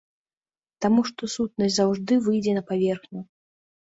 Таму што сутнасць заўжды выйдзе на паверхню.